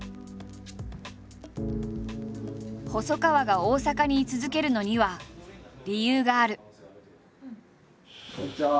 細川が大阪に居続けるのには理由がある。